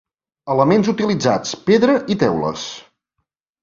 Elements utilitzats: pedra i teules.